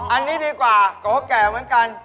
อันนี้ดีกว่าโกแก่เหมือนกัน